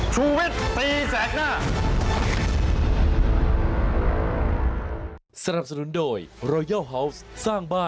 ชุวิตตีแสกหน้า